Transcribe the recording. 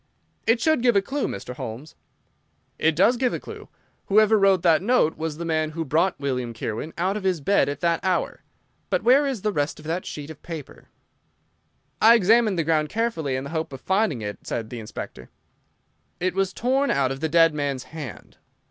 "It should give a clue, Mr. Holmes." "It does give a clue. Whoever wrote that note was the man who brought William Kirwan out of his bed at that hour. But where is the rest of that sheet of paper?" "I examined the ground carefully in the hope of finding it," said the Inspector. "It was torn out of the dead man's hand.